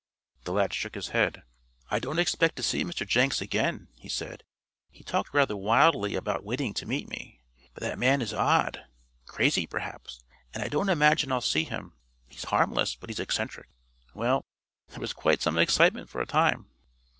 The lad shook his head. "I don't expect to see Mr. Jenks again," he said. "He talked rather wildly about waiting to meet me, but that man is odd crazy, perhaps and I don't imagine I'll see him. He's harmless, but he's eccentric. Well, there was quite some excitement for a time."